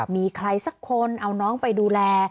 มีใครสักคนเอาน้องไปดูแล